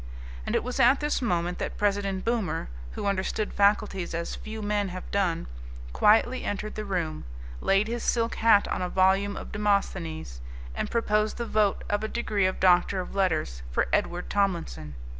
And it was at this moment that President Boomer, who understood faculties as few men have done, quietly entered the room, laid his silk hat on a volume of Demosthenes, and proposed the vote of a degree of Doctor of Letters for Edward Tomlinson.